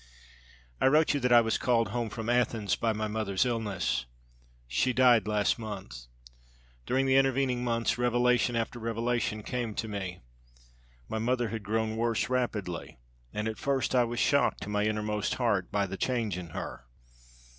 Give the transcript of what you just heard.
I wrote you that I was called home from Athens by my mother's illness. She died last month. During the intervening months revelation after revelation came to me. My mother had grown worse rapidly and at first I was shocked to my innermost heart by the change in her.